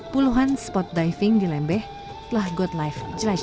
puluhan spot diving di lembeh telah god life jelas